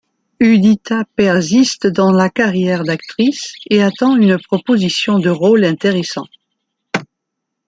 Udita persiste dans la carrière d’actrice et attend une proposition de rôle intéressant.